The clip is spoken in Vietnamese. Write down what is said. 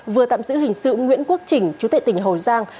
vừa tạm giữ hình sự nguyễn quốc trình chú tại tỉnh hồ giang